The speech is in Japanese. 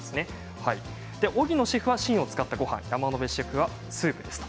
荻野シェフはごはん山野辺シェフはスープです。